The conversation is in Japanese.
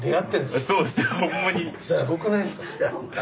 すごくないですか？